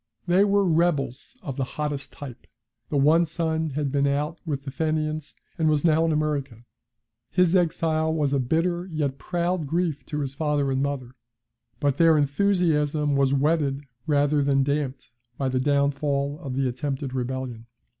They were rebels of the hottest type. The one son had been out with the Fenians and was now in America. His exile was a bitter yet proud grief to his father and mother; but their enthusiasm was whetted rather than damped by the downfall of the attempted rebellion.